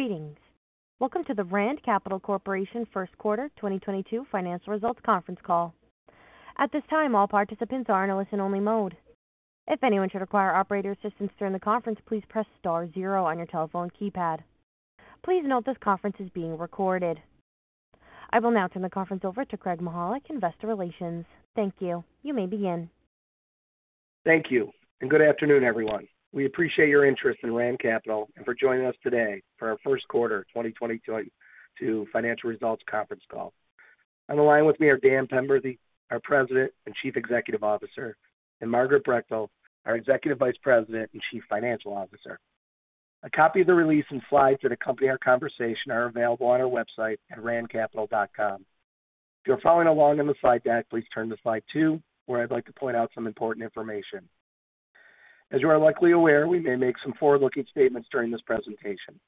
Greetings. Welcome to the Rand Capital Corporation First Quarter 2022 financial results conference call. At this time, all participants are in a listen only mode. If anyone should require operator assistance during the conference, please press star zero on your telephone keypad. Please note this conference is being recorded. I will now turn the conference over to Craig Mychajluk, Investor Relations. Thank you. You may begin. Thank you, and good afternoon, everyone. We appreciate your interest in Rand Capital and for joining us today for our first quarter 2022 financial results conference call. On the line with me are Dan Penberthy, our President and Chief Executive Officer, and Margaret Brechtel, our Executive Vice President and Chief Financial Officer. A copy of the release and slides that accompany our conversation are available on our website at randcapital.com. If you're following along on the slide deck, please turn to slide two, where I'd like to point out some important information. As you are likely aware, we may make some forward-looking statements during this presentation.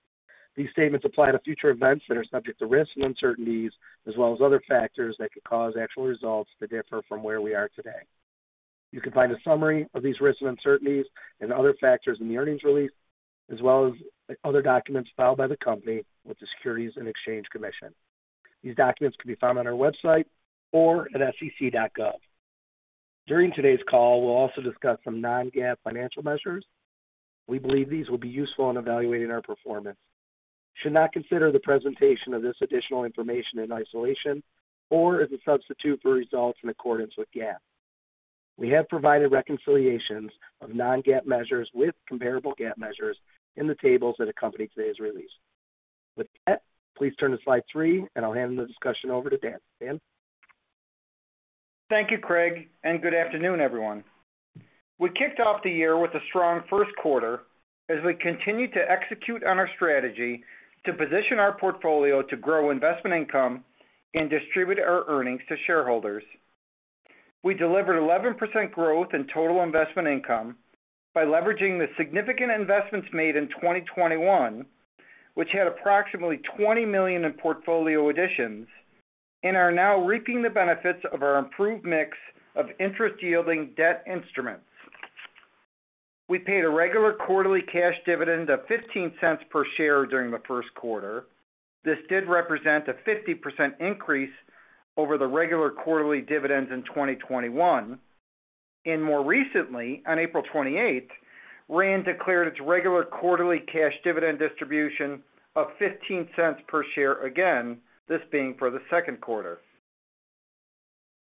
These statements apply to future events that are subject to risks and uncertainties, as well as other factors that could cause actual results to differ from where we are today. You can find a summary of these risks and uncertainties and other factors in the earnings release, as well as other documents filed by the company with the Securities and Exchange Commission. These documents can be found on our website or at sec.gov. During today's call, we'll also discuss some non-GAAP financial measures. We believe these will be useful in evaluating our performance. You should not consider the presentation of this additional information in isolation or as a substitute for results in accordance with GAAP. We have provided reconciliations of non-GAAP measures with comparable GAAP measures in the tables that accompany today's release. With that, please turn to slide 3, and I'll hand the discussion over to Dan. Dan? Thank you, Craig, and good afternoon, everyone. We kicked off the year with a strong first quarter as we continued to execute on our strategy to position our portfolio to grow investment income and distribute our earnings to shareholders. We delivered 11% growth in total investment income by leveraging the significant investments made in 2021, which had approximately $20 million in portfolio additions and are now reaping the benefits of our improved mix of interest-yielding debt instruments. We paid a regular quarterly cash dividend of $0.15 per share during the first quarter. This did represent a 50% increase over the regular quarterly dividends in 2021. More recently, on April 28, Rand declared its regular quarterly cash dividend distribution of $0.15 per share again, this being for the second quarter.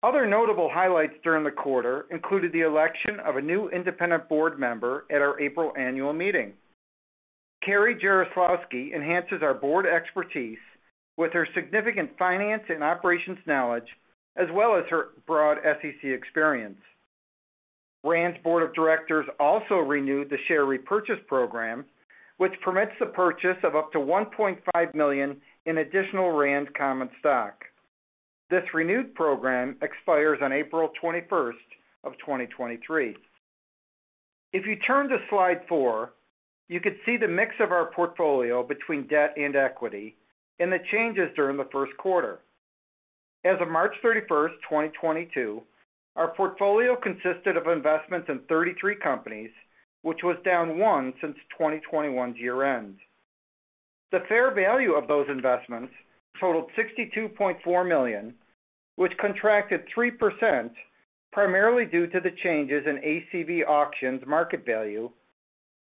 Other notable highlights during the quarter included the election of a new independent board member at our April annual meeting. Cari Jaroslawsky enhances our board expertise with her significant finance and operations knowledge, as well as her broad SEC experience. RAND's board of directors also renewed the share repurchase program, which permits the purchase of up to 1.5 million in additional RAND common stock. This renewed program expires on April 21, 2023. If you turn to slide four, you could see the mix of our portfolio between debt and equity and the changes during the first quarter. As of March 31, 2022, our portfolio consisted of investments in 33 companies, which was down one since 2021's year end. The fair value of those investments totaled $62.4 million, which contracted 3% primarily due to the changes in ACV Auctions market value,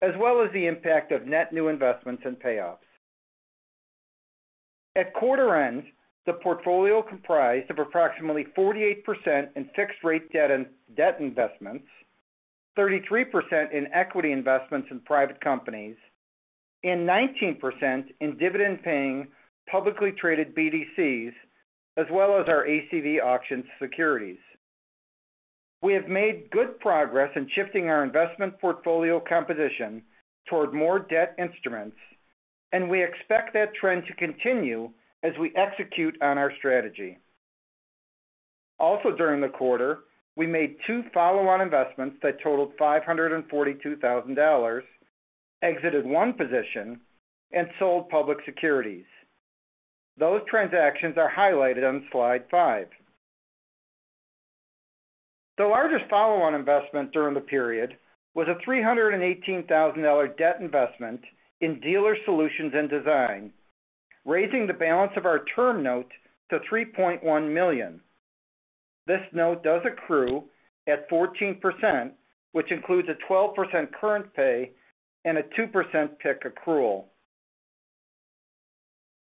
as well as the impact of net new investments and payoffs. At quarter end, the portfolio comprised of approximately 48% in fixed rate debt and debt investments, 33% in equity investments in private companies, and 19% in dividend-paying publicly traded BDCs, as well as our ACV Auctions securities. We have made good progress in shifting our investment portfolio composition toward more debt instruments, and we expect that trend to continue as we execute on our strategy. Also during the quarter, we made two follow-on investments that totaled $542,000, exited one position, and sold public securities. Those transactions are highlighted on slide five. The largest follow-on investment during the period was a $318 thousand debt investment in Dealer Solutions & Design, raising the balance of our term note to $3.1 million. This note does accrue at 14%, which includes a 12% current pay and a 2% PIK accrual.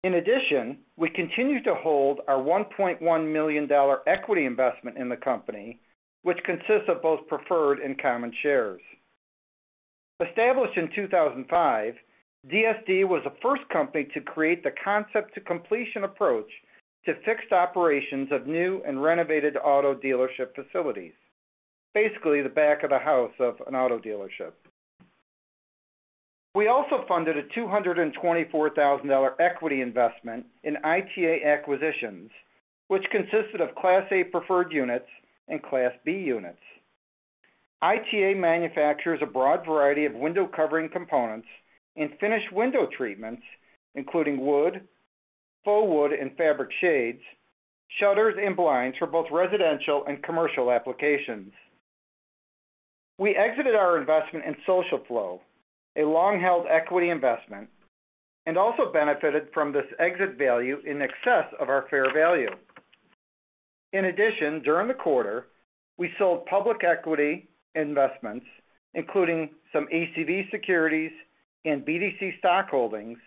In addition, we continue to hold our $1.1 million equity investment in the company, which consists of both preferred and common shares. Established in 2005, DSD was the first company to create the concept-to-completion approach to fixed operations of new and renovated auto dealership facilities. Basically, the back of the house of an auto dealership. We also funded a $224 thousand equity investment in ITA Acquisitions, which consisted of Class A preferred units and Class B units. ITA manufactures a broad variety of window covering components and finished window treatments, including wood, faux wood, and fabric shades, shutters, and blinds for both residential and commercial applications. We exited our investment in SocialFlow, a long-held equity investment, and also benefited from this exit value in excess of our fair value. In addition, during the quarter, we sold public equity investments, including some ACV securities and BDC stock holdings,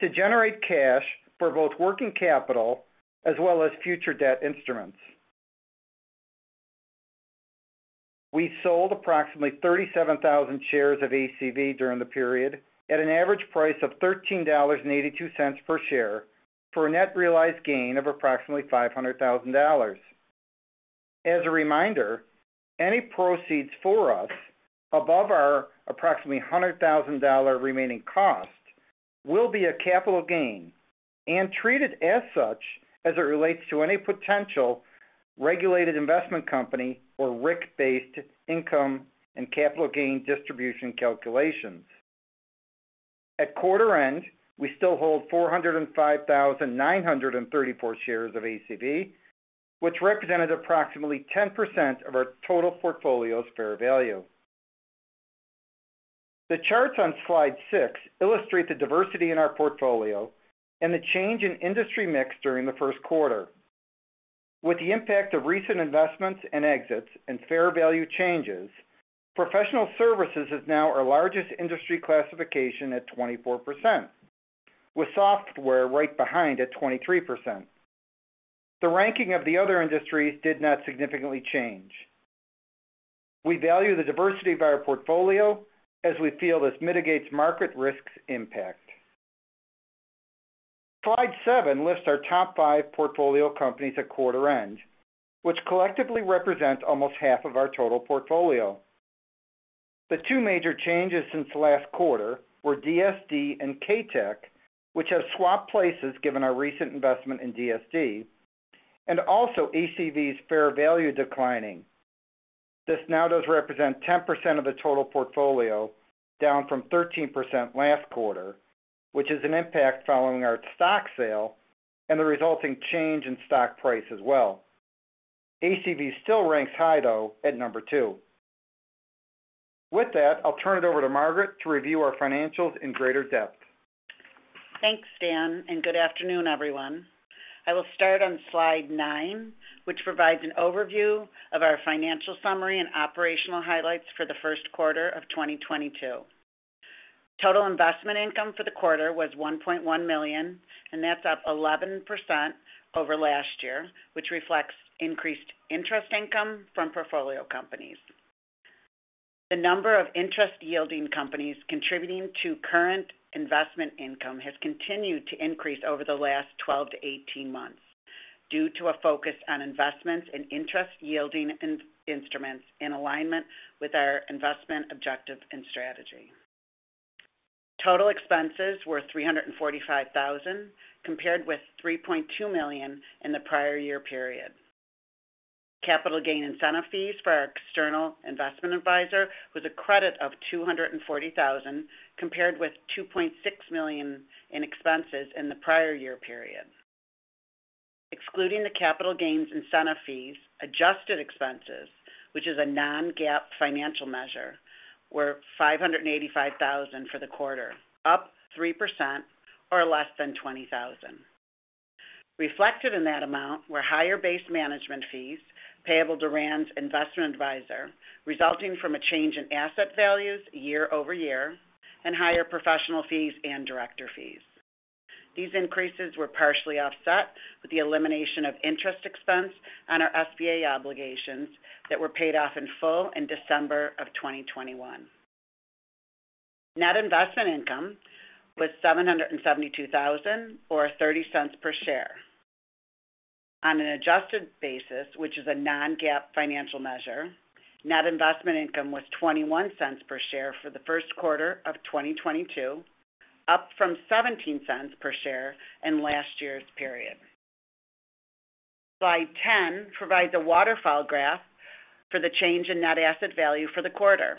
to generate cash for both working capital as well as future debt instruments. We sold approximately 37,000 shares of ACV during the period at an average price of $13.82 per share for a net realized gain of approximately $500,000. As a reminder, any proceeds for us above our approximately $100,000 remaining cost will be a capital gain and treated as such as it relates to any potential regulated investment company or RIC-based income and capital gain distribution calculations. At quarter end, we still hold 405,934 shares of ACV, which represented approximately 10% of our total portfolio's fair value. The charts on slide 6 illustrate the diversity in our portfolio and the change in industry mix during the first quarter. With the impact of recent investments and exits and fair value changes, professional services is now our largest industry classification at 24%, with software right behind at 23%. The ranking of the other industries did not significantly change. We value the diversity of our portfolio as we feel this mitigates market risk's impact. Slide seven lists our top five portfolio companies at quarter end, which collectively represent almost half of our total portfolio. The two major changes since last quarter were DSD and Chi-Tech, which have swapped places given our recent investment in DSD, and also ACV's fair value declining. This now does represent 10% of the total portfolio, down from 13% last quarter, which is an impact following our stock sale and the resulting change in stock price as well. ACV still ranks high, though, at number two. With that, I'll turn it over to Margaret to review our financials in greater depth. Thanks, Dan, and good afternoon, everyone. I will start on slide nine, which provides an overview of our financial summary and operational highlights for the first quarter of 2022. Total investment income for the quarter was $1.1 million, and that's up 11% over last year, which reflects increased interest income from portfolio companies. The number of interest-yielding companies contributing to current investment income has continued to increase over the last 12-18 months due to a focus on investments in interest-yielding instruments in alignment with our investment objective and strategy. Total expenses were $345,000, compared with $3.2 million in the prior year period. Capital gain incentive fees for our external investment advisor was a credit of $240,000, compared with $2.6 million in expenses in the prior year period. Excluding the capital gains incentive fees, adjusted expenses, which is a non-GAAP financial measure, were $585,000 for the quarter, up 3% or less than $20,000. Reflected in that amount were higher base management fees payable to RAND's investment advisor, resulting from a change in asset values year-over-year and higher professional fees and director fees. These increases were partially offset with the elimination of interest expense on our SBA obligations that were paid off in full in December of 2021. Net investment income was $772,000 or $0.30 per share. On an adjusted basis, which is a non-GAAP financial measure, net investment income was $0.21 per share for the first quarter of 2022, up from $0.17 per share in last year's period. Slide 10 provides a waterfall graph for the change in net asset value for the quarter.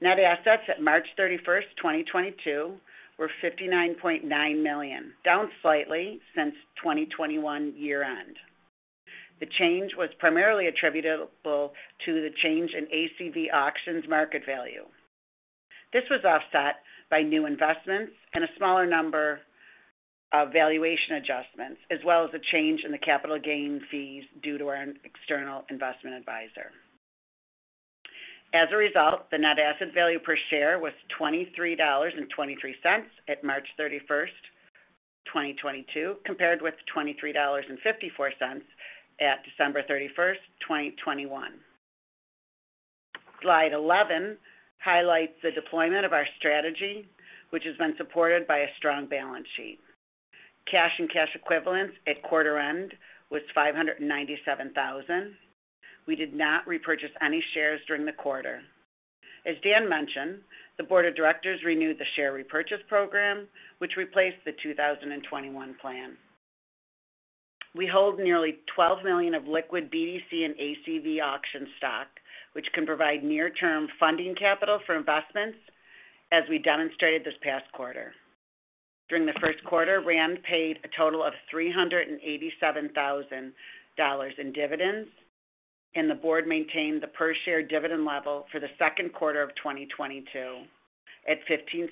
Net assets at March 31, 2022 were $59.9 million, down slightly since 2021 year-end. The change was primarily attributable to the change in ACV Auctions market value. This was offset by new investments and a smaller number of valuation adjustments, as well as a change in the capital gain fees due to our external investment advisor. As a result, the net asset value per share was $23.23 at March 31, 2022, compared with $23.54 at December 31, 2021. Slide 11 highlights the deployment of our strategy, which has been supported by a strong balance sheet. Cash and cash equivalents at quarter end was $597 thousand. We did not repurchase any shares during the quarter. As Dan mentioned, the board of directors renewed the share repurchase program, which replaced the 2021 plan. We hold nearly 12 million of liquid BDC and ACV Auctions stock, which can provide near-term funding capital for investments as we demonstrated this past quarter. During the first quarter, RAND paid a total of $387,000 in dividends, and the board maintained the per share dividend level for the second quarter of 2022 at $0.15,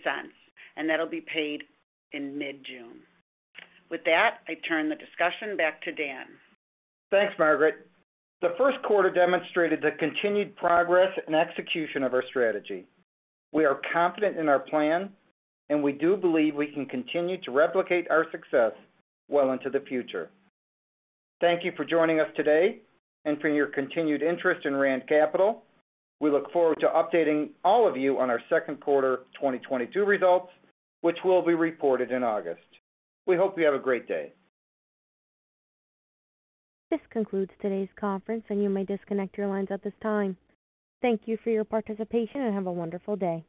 and that'll be paid in mid-June. With that, I turn the discussion back to Dan. Thanks, Margaret. The first quarter demonstrated the continued progress and execution of our strategy. We are confident in our plan, and we do believe we can continue to replicate our success well into the future. Thank you for joining us today and for your continued interest in Rand Capital. We look forward to updating all of you on our second quarter 2022 results, which will be reported in August. We hope you have a great day. This concludes today's conference, and you may disconnect your lines at this time. Thank you for your participation and have a wonderful day.